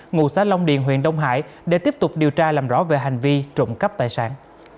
ngủ xa long điền huyện đông hải để tiếp tục điều tra làm rõ về hành vi trụng cấp tài sản